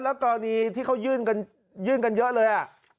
แล้วกรณีที่เขายื่นกันเยอะเลย